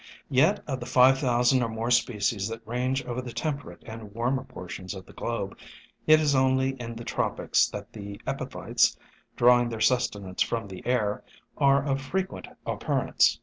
Yet of the five thousand or more species that range over the temperate and warmer portions of the globe, it is only in the tropics that the epi phytes, drawing their sustenance from the air, are of frequent occurrence.